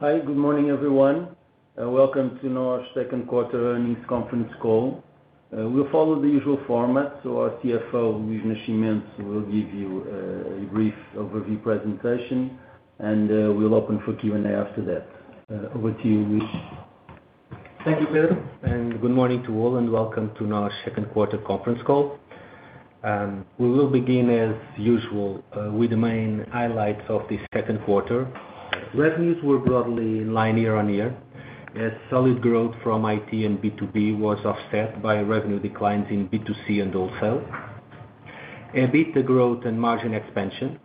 Hi, good morning, everyone. Welcome to NOS second quarter earnings conference call. We'll follow the usual format. Our CFO, Luís Nascimento, will give you a brief overview presentation. We'll open for Q&A after that. Over to you, Luís. Thank you, Pedro. Good morning to all. Welcome to NOS second quarter conference call. We will begin, as usual, with the main highlights of the second quarter. Revenues were broadly in line year-on-year, as solid growth from IT and B2B was offset by revenue declines in B2C and wholesale. EBITDA growth and margin expansion,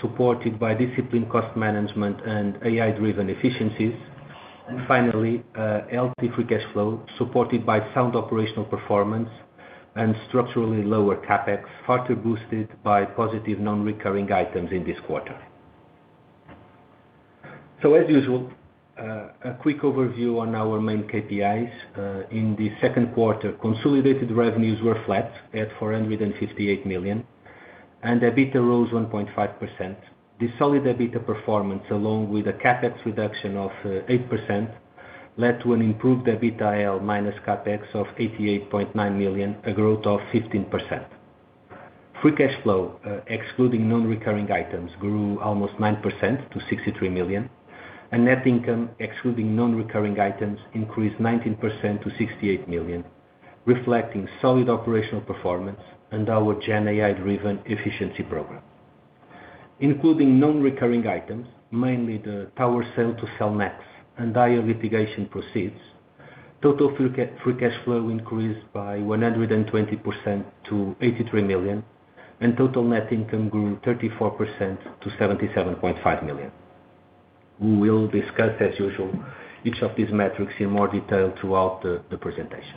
supported by disciplined cost management and AI-driven efficiencies. Finally, healthy free cash flow, supported by sound operational performance and structurally lower CapEx, further boosted by positive non-recurring items in this quarter. As usual, a quick overview on our main KPIs. In the second quarter, consolidated revenues were flat at 458 million. EBITDA rose 1.5%. The solid EBITDA performance, along with a CapEx reduction of 8%, led to an improved EBITDA AL minus CapEx of 88.9 million, a growth of 15%. Free cash flow, excluding non-recurring items, grew almost 9% to 63 million. Net income, excluding non-recurring items, increased 19% to 68 million, reflecting solid operational performance and our Gen AI-driven efficiency program. Including non-recurring items, mainly the tower sale to Cellnex and higher litigation proceeds, total free cash flow increased by 120% to 83 million. Total net income grew 34% to 77.5 million. We will discuss, as usual, each of these metrics in more detail throughout the presentation.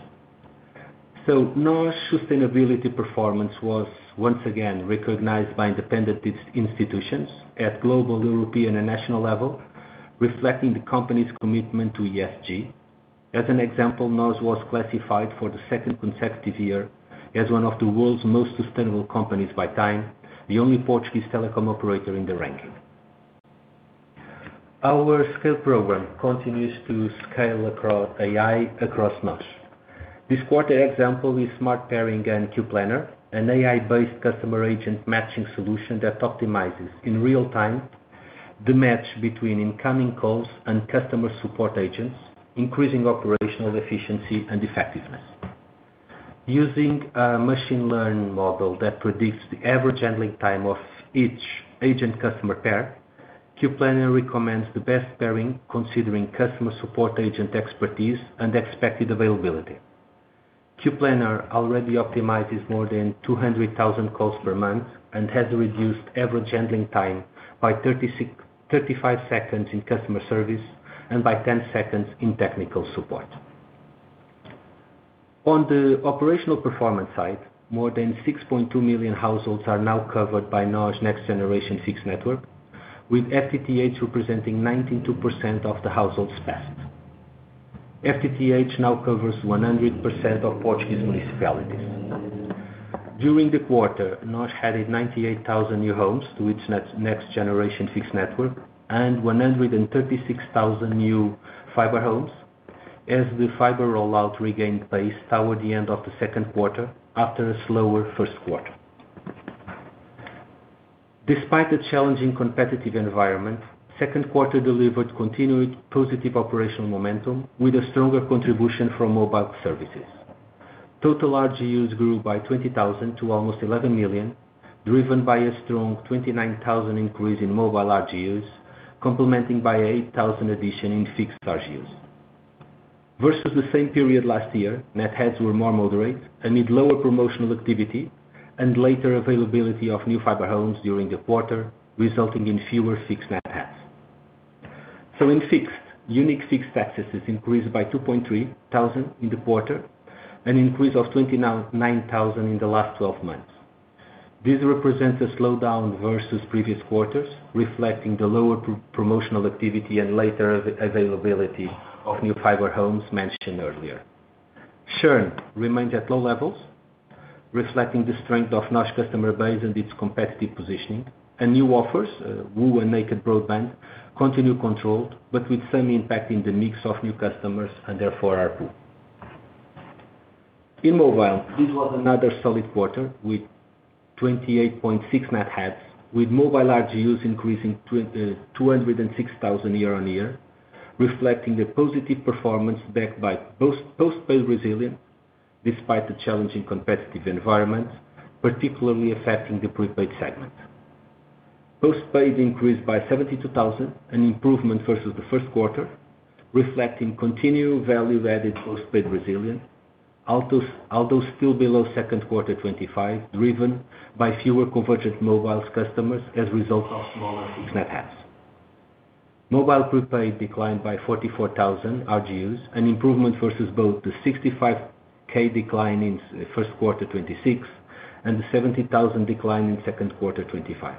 NOS sustainability performance was once again recognized by independent institutions at global, European, and national level, reflecting the company's commitment to ESG. As an example, NOS was classified for the second consecutive year as one of the world's most sustainable companies by TIME, the only Portuguese telecom operator in the ranking. Our SCAILE program continues to scale AI across NOS. This quarter example is Smart Pairing and Queue Planner, an AI-based customer agent matching solution that optimizes, in real time, the match between incoming calls and customer support agents, increasing operational efficiency and effectiveness. Using a machine learning model that predicts the average handling time of each agent-customer pair, Queue Planner recommends the best pairing considering customer support agent expertise and expected availability. Queue Planner already optimizes more than 200,000 calls per month and has reduced average handling time by 35 seconds in customer service and by 10 seconds in technical support. On the operational performance side, more than 6.2 million households are now covered by NOS' next generation fixed network, with FTTH representing 92% of the households passed. FTTH now covers 100% of Portuguese municipalities. During the quarter, NOS added 98,000 new homes to its next generation fixed network and 136,000 new fiber homes as the fiber rollout regained pace toward the end of the second quarter after a slower first quarter. Despite the challenging competitive environment, second quarter delivered continued positive operational momentum with a stronger contribution from mobile services. Total RGUs grew by 20,000 to almost 11 million, driven by a strong 29,000 increase in mobile RGUs, complemented by an 8,000 addition in fixed RGUs. Versus the same period last year, net adds were more moderate amid lower promotional activity and later availability of new fiber homes during the quarter, resulting in fewer fixed net adds. In fixed, unique fixed accesses increased by 2,300 in the quarter, an increase of 29,000 in the last 12 months. This represents a slowdown versus previous quarters, reflecting the lower promotional activity and later availability of new fiber homes mentioned earlier. Churn remained at low levels, reflecting the strength of NOS customer base and its competitive positioning, and new offers, Woo and Naked Broadband, continue controlled but with some impact in the mix of new customers and therefore ARPU. In mobile, this was another solid quarter with 28.6 net adds, with mobile RGUs increasing 206,000 year-on-year, reflecting the positive performance backed by postpaid resilience despite the challenging competitive environment, particularly affecting the prepaid segment. Postpaid increased by 72,000, an improvement versus the first quarter, reflecting continued value-added postpaid resilience, although still below second quarter 2025, driven by fewer convergent mobile customers as a result of smaller fixed net adds. Mobile prepaid declined by 44,000 RGUs, an improvement versus both the 65,000 decline in first quarter 2026 and the 70,000 decline in second quarter 2025.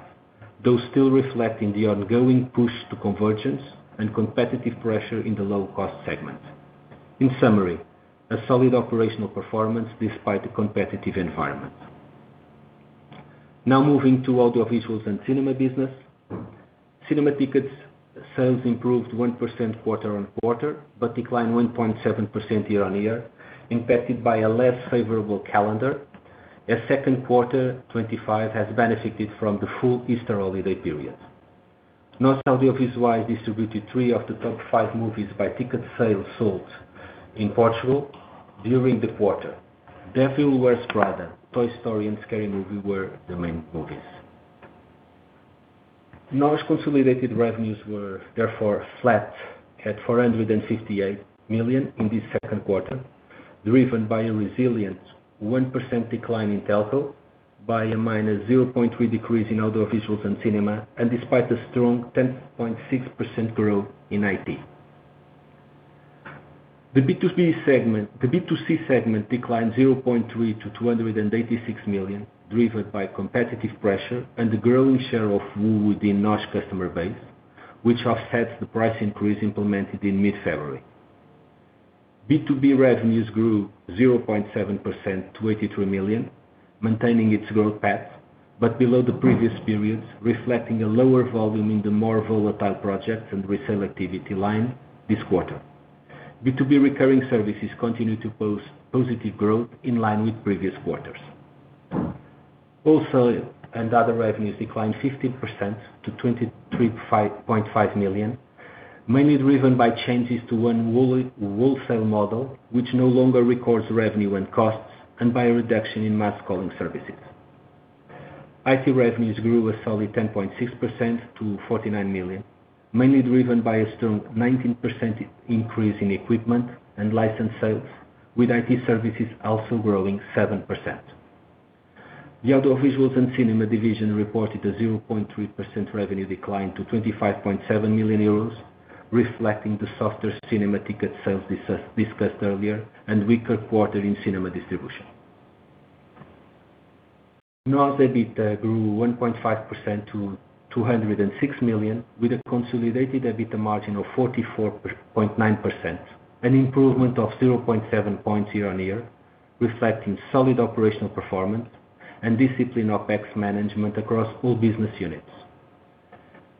Those still reflect the ongoing push to convergence and competitive pressure in the low-cost segment. In summary, a solid operational performance despite the competitive environment. Now moving to audiovisuals and cinema business. Cinema tickets sales improved 1% quarter-on-quarter but declined 1.7% year-on-year, impacted by a less favorable calendar as second quarter 2025 has benefited from the full Easter holiday period. NOS Audiovisuais distributed three of the top five movies by ticket sales sold in Portugal during the quarter. "The Devil Wears Prada," "Toy Story," and "Scary Movie" were the main movies. NOS' consolidated revenues were therefore flat at 468 million in this second quarter, driven by a resilient 1% decline in telco by a -0.3% decrease in audiovisuals and cinema and despite a strong 10.6% growth in IT. The B2C segment declined 0.3% to 286 million, driven by competitive pressure and the growing share of Woo within NOS customer base, which offsets the price increase implemented in mid-February. B2B revenues grew 0.7% to 83 million, maintaining its growth path, but below the previous periods, reflecting a lower volume in the more volatile projects and resale activity line this quarter. B2B recurring services continue to post positive growth in line with previous quarters. Wholesale and other revenues declined 15% to 23.5 million, mainly driven by changes to one wholesale model, which no longer records revenue and costs, and by a reduction in mass calling services. IT revenues grew a solid 10.6% to 49 million, mainly driven by a strong 19% increase in equipment and license sales, with IT services also growing 7%. The Audiovisuals and Cinema division reported a 0.3% revenue decline to 25.7 million euros, reflecting the softer cinema ticket sales discussed earlier and weaker quarter in cinema distribution. NOS EBITDA grew 1.5% to 206 million with a consolidated EBITDA margin of 44.9%, an improvement of 0.7 percentage points year-on-year, reflecting solid operational performance and disciplined OpEx management across all business units.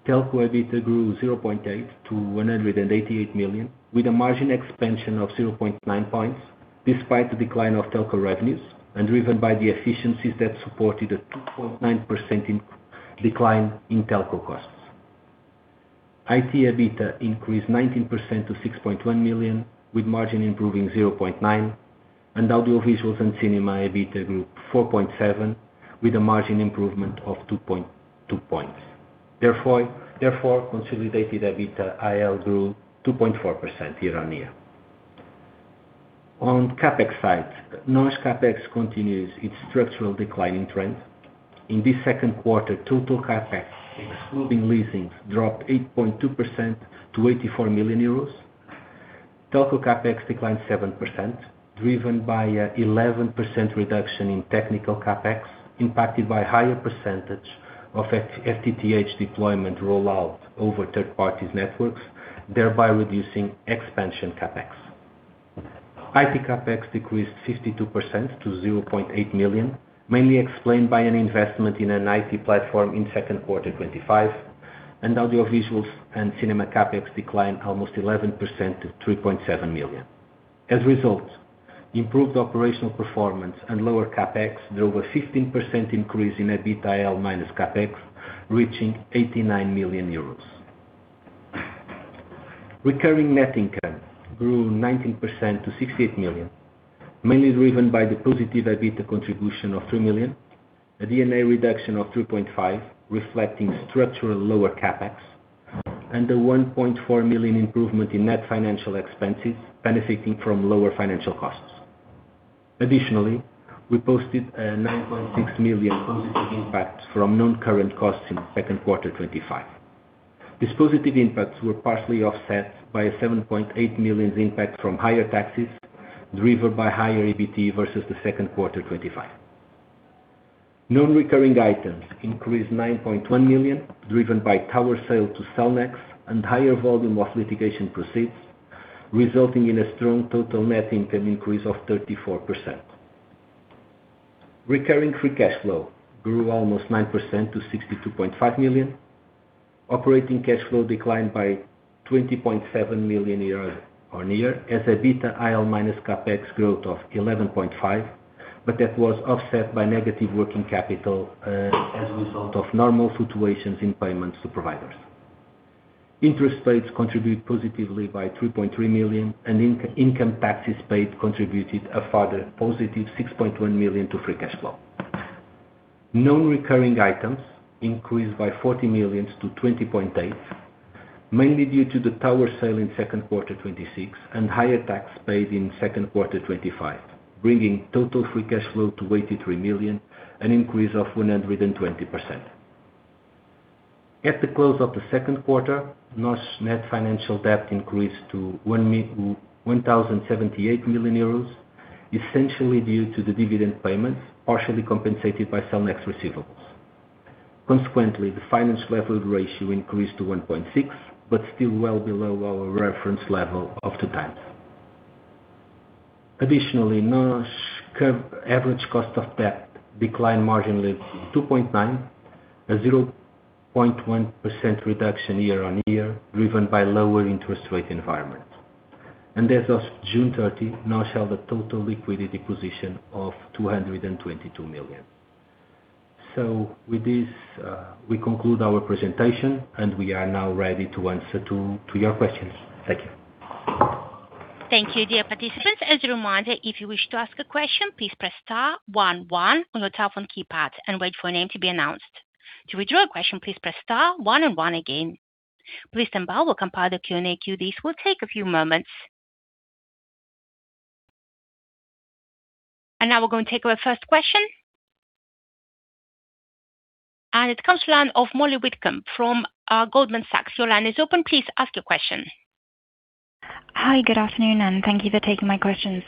Telco EBITDA grew 0.8% to 188 million with a margin expansion of 0.9 percentage points despite the decline of telco revenues and driven by the efficiencies that supported a 2.9% decline in telco costs. IT EBITDA increased 19% to 6.1 million with margin improving 0.9 and Audiovisuals and Cinema EBITDA grew 4.7% with a margin improvement of two points. Consolidated EBITDA AL grew 2.4% year-on-year. On CapEx side, NOS CapEx continues its structural declining trend. In this second quarter, total CapEx, excluding leasing, dropped 8.2% to 84 million euros. Telco CapEx declined 7%, driven by 11% reduction in technical CapEx, impacted by higher percentage of FTTH deployment rollout over third parties networks, thereby reducing expansion CapEx. IT CapEx decreased 52% to 0.8 million, mainly explained by an investment in an IT platform in second quarter 2025, and Audiovisuals and Cinema CapEx declined almost 11% to 3.7 million. As a result, improved operational performance and lower CapEx drove a 15% increase in EBITDA AL minus CapEx reaching 89 million euros. Recurring net income grew 19% to 68 million, mainly driven by the positive EBITDA contribution of 3 million, a D&A reduction of 3.5 million, reflecting structural lower CapEx, and a 1.4 million improvement in net financial expenses benefiting from lower financial costs. Additionally, we posted a 9.6 million positive impact from non-current costs in second quarter 2025. These positive impacts were partially offset by a 7.8 million impact from higher taxes, driven by higher EBIT versus the second quarter 2025. Non-recurring items increased 9.1 million, driven by tower sale to Cellnex and higher volume of litigation proceeds, resulting in a strong total net income increase of 34%. Recurring free cash flow grew almost 9% to 62.5 million. Operating cash flow declined by 20.7 million year-on-year as EBITDA AL minus CapEx growth of 11.5%, that was offset by negative working capital as a result of normal fluctuations in payments to providers. Interest rates contribute positively by 3.3 million and income taxes paid contributed a further +6.1 million to free cash flow. Non-recurring items increased by 40 million to 20.8 million, mainly due to the tower sale in second quarter 2026 and higher tax paid in second quarter 2025, bringing total free cash flow to 83 million, an increase of 120%. At the close of the second quarter, NOS net financial debt increased to 1,078 million euros, essentially due to the dividend payments, partially compensated by Cellnex receivables. Consequently, the finance level ratio increased to 1.6, but still well below our reference level of two times. Additionally, NOS's average cost of debt declined marginally to 2.9%, a 0.1% reduction year-on-year, driven by lower interest rate environment. As of June 30, NOS held a total liquidity position of 222 million. With this, we conclude our presentation, and we are now ready to answer to your questions. Thank you. Thank you, dear participants. As a reminder, if you wish to ask a question, please press star one one on your telephone keypad and wait for your name to be announced. To withdraw your question, please press star one and one again. Please stand by while we compile the Q&A queue. This will take a few moments. Now we're going to take our first question. It comes to line of Molly Whitcomb from Goldman Sachs. Your line is open. Please ask your question. Hi. Good afternoon, and thank you for taking my questions.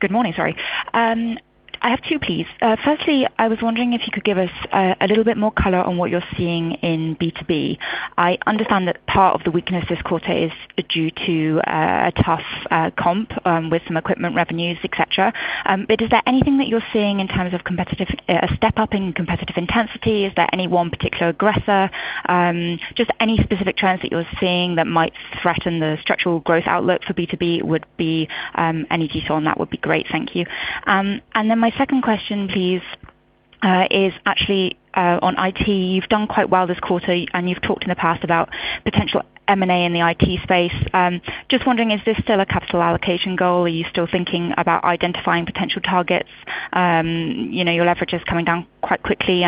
Good morning, sorry. I have two, please. Firstly, I was wondering if you could give us a little bit more color on what you're seeing in B2B. I understand that part of the weakness this quarter is due to a tough comp with some equipment revenues, et cetera. Is there anything that you're seeing in terms of a step-up in competitive intensity? Is there any one particular aggressor? Just any specific trends that you're seeing that might threaten the structural growth outlook for B2B would be? Any detail on that would be great. Thank you. Then my second question, please, is actually on IT. You've done quite well this quarter, and you've talked in the past about potential M&A in the IT space. Just wondering, is this still a capital allocation goal? Are you still thinking about identifying potential targets? Your leverage is coming down quite quickly,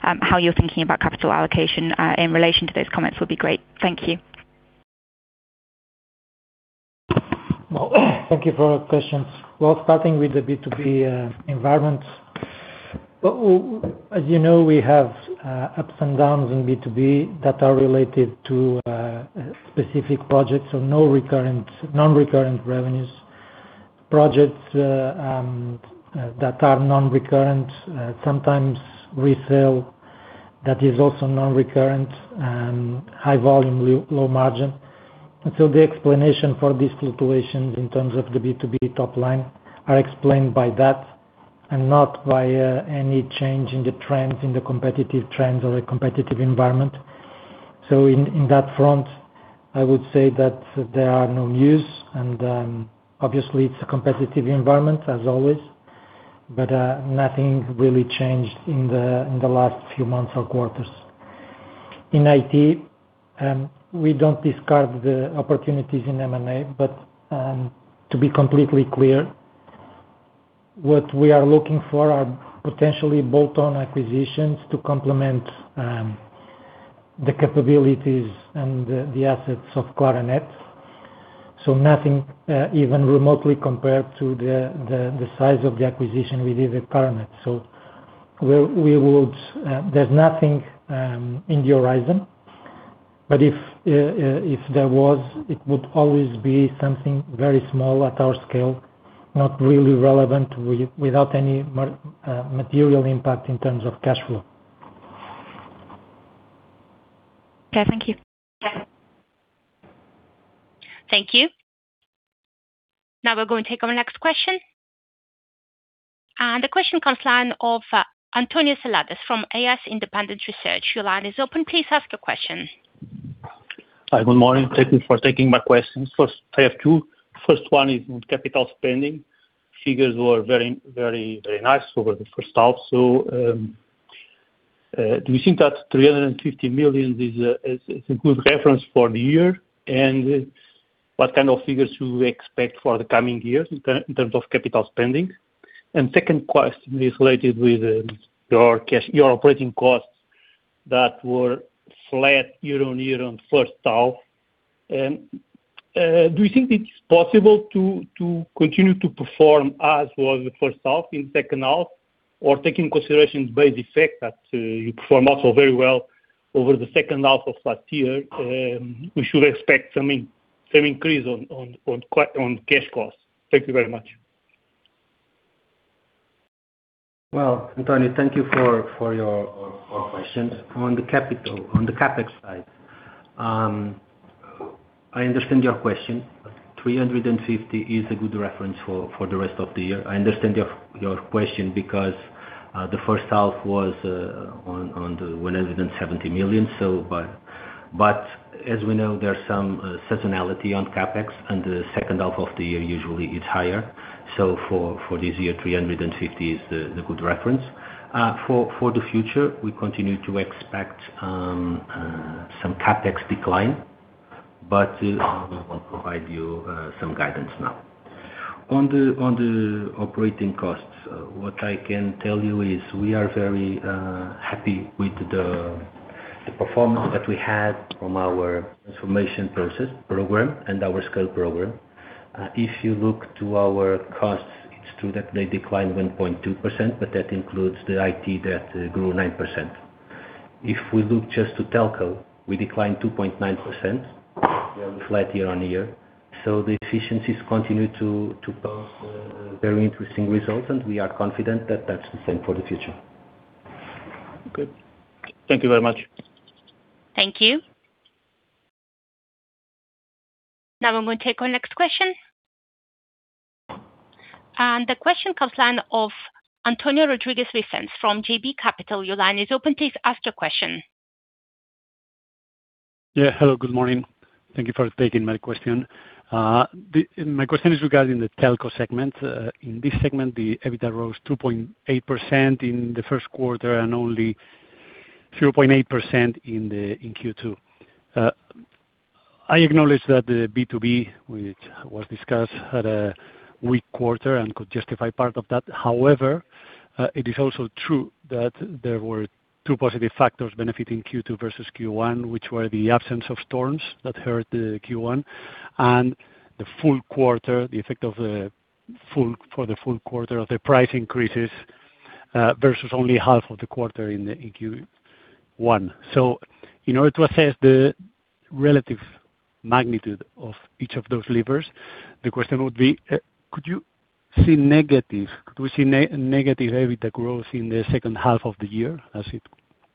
how you're thinking about capital allocation in relation to those comments would be great. Thank you. Well, thank you for your questions. Starting with the B2B environment. As you know, we have ups and downs in B2B that are related to specific projects, so non-recurrent revenues. Projects that are non-recurrent, sometimes resale that is also non-recurrent and high volume, low margin. The explanation for these fluctuations in terms of the B2B top line are explained by that, and not by any change in the trends, in the competitive trends or the competitive environment. In that front, I would say that there are no news and, obviously, it's a competitive environment as always. Nothing really changed in the last few months or quarters. In IT, we don't discard the opportunities in M&A. To be completely clear, what we are looking for are potentially bolt-on acquisitions to complement the capabilities and the assets of Claranet. Nothing even remotely compared to the size of the acquisition we did with Claranet. There's nothing in the horizon, but if there was, it would always be something very small at our scale, not really relevant without any material impact in terms of cash flow. Okay, thank you. Thank you. Now we're going to take our next question. The question comes line of António Seladas from AS Independent Research. Your line is open. Please ask your question. Hi. Good morning. Thank you for taking my questions. First, I have two. First one is on capital spending. Figures were very nice over the first half. Do you think that 350 million is a good reference for the year, and what kind of figures do we expect for the coming years in terms of capital spending? Second question is related with your operating costs that were flat year-on-year on first half. Do you think it is possible to continue to perform as was in [inaudible] in second half, or taking considerations by the fact that you perform also very well over the second half of last year, we should expect some increase on cash costs. Thank you very much. Well, António, thank you for your questions. On the CapEx side, I understand your question. 350 is a good reference for the rest of the year. I understand your question because the first half was on the 170 million. As we know, there's some seasonality on CapEx, and the second half of the year usually is higher. For this year, 350 is the good reference. For the future, we continue to expect some CapEx decline, but I won't provide you some guidance now. On the operating costs, what I can tell you is we are very happy with the performance that we had from our transformation process program and our SCAILE program. If you look to our costs, it's true that they declined 1.2%, but that includes the IT that grew 9%. If we look just to telco, we declined 2.9%, year on flat, year-on-year. The efficiencies continue to pose very interesting results, and we are confident that that's the same for the future. Good. Thank you very much. Thank you. Now we're going to take our next question. The question comes line of Antonio Rodríguez Vicens from JB Capital. Your line is open. Please ask your question. Yeah. Hello, good morning. Thank you for taking my question. My question is regarding the telco segment. In this segment, the EBITDA rose 2.8% in the first quarter and only 0.2% in Q2. I acknowledge that the B2B, which was discussed, had a weak quarter and could justify part of that. However, it is also true that there were two positive factors benefiting Q2 versus Q1, which were the absence of storms that hurt the Q1 and the effect of the full quarter of the price increases versus only half of the quarter in Q1. In order to assess the relative magnitude of each of those levers, the question would be, could we see negative EBITDA growth in the second half of the year, as it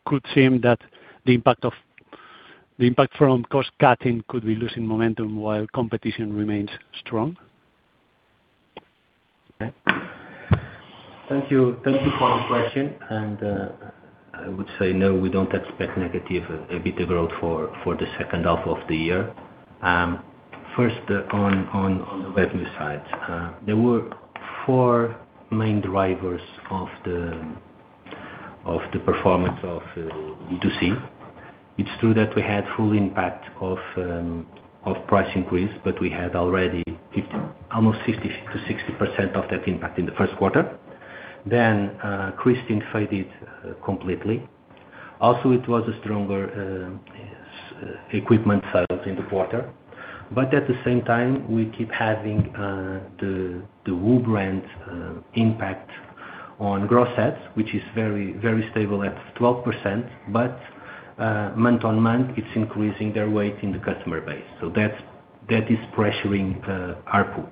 could seem that the impact from cost-cutting could be losing momentum while competition remains strong? Thank you for the question. I would say, no, we don't expect negative EBITDA growth for the second half of the year. First, on the revenue side. There were four main drivers of the performance of B2C. It's true that we had full impact of price increase, but we had already almost 50%-60% of that impact in the first quarter. [Christian] faded completely. Also, it was a stronger equipment sales in the quarter. At the same time, we keep having the Woo brand impact on gross adds, which is very stable at 12%, but month-on-month, it's increasing their weight in the customer base. That is pressuring ARPU.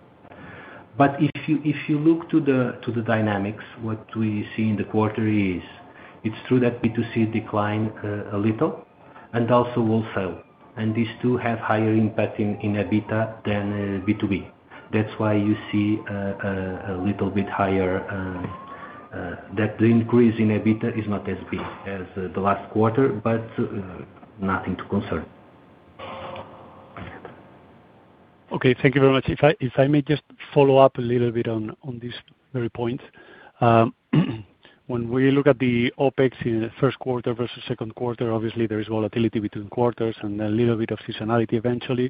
If you look to the dynamics, what we see in the quarter is, it's true that B2C declined a little and also Woo fell. These two have higher impact in EBITDA than B2B. That's why you see that the increase in EBITDA is not as big as the last quarter, but nothing to concern. Okay. Thank you very much. If I may just follow up a little bit on this very point. When we look at the OpEx in the first quarter versus second quarter, obviously there is volatility between quarters and a little bit of seasonality eventually.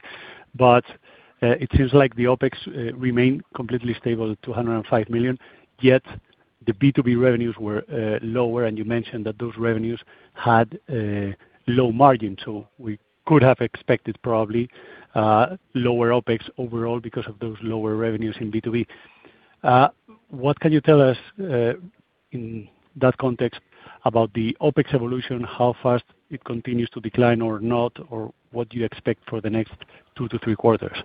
It seems like the OpEx remained completely stable at 205 million, yet the B2B revenues were lower, and you mentioned that those revenues had a low margin. We could have expected probably lower OpEx overall because of those lower revenues in B2B. What can you tell us, in that context, about the OpEx evolution, how fast it continues to decline or not, or what do you expect for the next two to three quarters?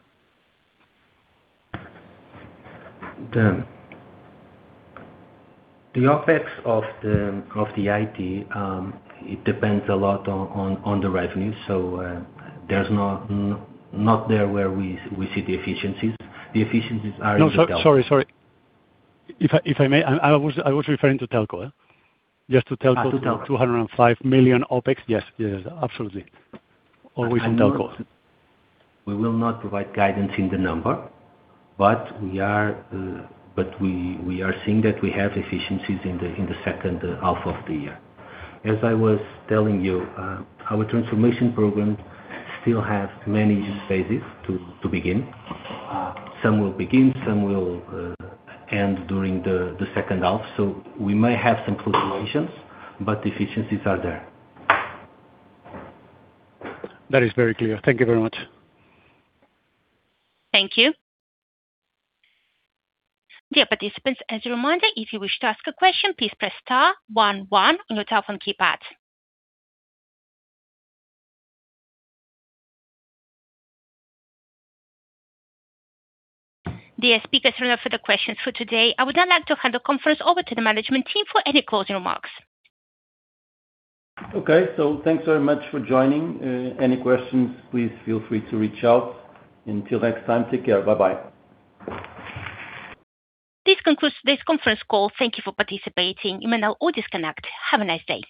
The OpEx of the IT depends a lot on the revenue. It's not there where we see the efficiencies. The efficiencies are- No. Sorry. If I may, I was referring to telco. Just to telco- To telco 205 million OpEx. Yes, absolutely. Always in telco. We will not provide guidance in the number, we are seeing that we have efficiencies in the second half of the year. As I was telling you, our transformation program still has many phases to begin. Some will begin, some will end during the second half. We may have some fluctuations, but efficiencies are there. That is very clear. Thank you very much. Thank you. Dear participants, as a reminder, if you wish to ask a question, please press star one one on your telephone keypad. Dear speakers, there are no further questions for today. I would now like to hand the conference over to the management team for any closing remarks. Okay. Thanks very much for joining. Any questions, please feel free to reach out. Until next time, take care. Bye-bye. This concludes this conference call. Thank you for participating. You may now all disconnect. Have a nice day.